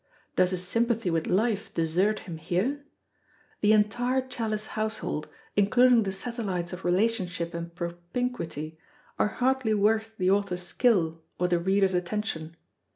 Does his sympathy with life desert him here? The entire Challis household, including the satellites of relationship and propinquity, are hardly worth the author's skill or the reader's attention.